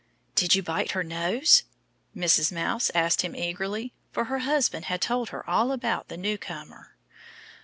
"Did you bite her nose?" Mrs. Mouse asked him eagerly; for her husband had told her all about the newcomer.